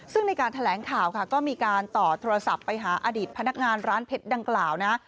ซึ่งในการแถลงข่าวค่ะก็มีการต่อโทรศัพท์ไปหาอดีตพนักงานร้านเพชรดังกล่าวนะ